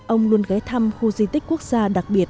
ông luôn ghé thăm khu di tích quốc gia đặc biệt